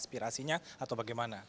inspirasinya atau bagaimana